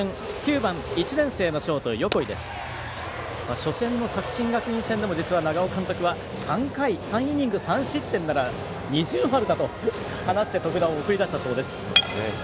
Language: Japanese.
初戦の作新学院戦でも実は長尾監督は３回、３イニング３失点なら二重丸だと話して徳田を送り出したそうです。